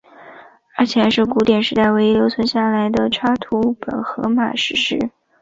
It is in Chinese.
而且还是古典时代唯一留存下来的插图本荷马史诗。